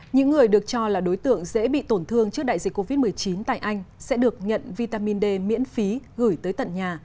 những người được cho là đối tượng dễ bị tổn thương trước đại dịch covid một mươi chín tại anh sẽ được nhận vitamin d miễn phí gửi tới tận nhà